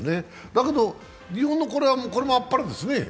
だけど日本のこれもあっぱれですね。